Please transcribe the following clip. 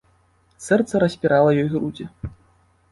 Сэрца распірала ёй грудзі.